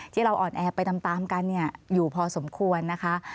ที่เราอ่อนแอไปตามกันอยู่พอสมควรนะคะ